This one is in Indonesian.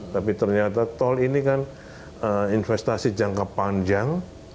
tapi ternyata tol ini kan investasi jangka panjang